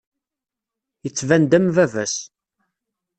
Yettban-d am baba-s.